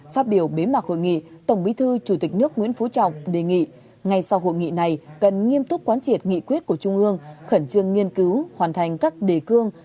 phát biểu bế mạc hội nghị tổng bí thư chủ tịch nước nguyễn phú trọng đề nghị ngay sau hội nghị này cần nghiêm túc quán triệt nghị quyết của trung ương khẩn trương nghiên cứu hoàn thành các đề cương